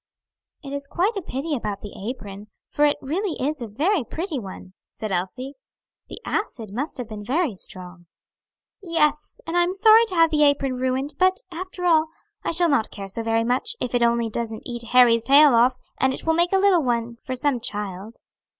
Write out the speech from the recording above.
"It is quite a pity about the apron; for it really is a very pretty one," said Elsie, "the acid must have been very strong." "Yes, and I am sorry to have the apron ruined, but after all, I shall not care so very much, if it only doesn't eat Harry's tail off, and it will make a little one for some child."